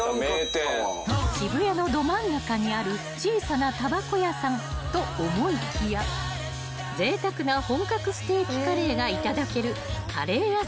［渋谷のど真ん中にある小さなたばこ屋さんと思いきやぜいたくな本格ステーキカレーがいただけるカレー屋さんでした］